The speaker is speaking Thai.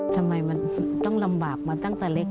ส่วนสุดท้าย